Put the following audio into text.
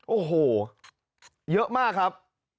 โอ้โหเยอะมากครับ